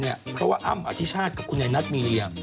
เพราะว่าอ้ำอธิชาติกับคุณไอนัทมีเรีย